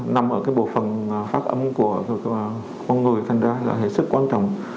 nằm ở cái bộ phần phát âm của con người thật ra là hết sức quan trọng